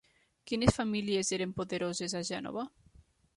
Quines famílies eren poderoses a Gènova?